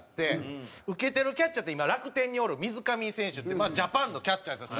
受けてるキャッチャーって今楽天におる水上選手ってジャパンのキャッチャーですよ。